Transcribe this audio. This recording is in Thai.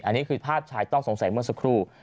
อันนี้คือภาพชายต้องสงสัยเมื่อสักครู่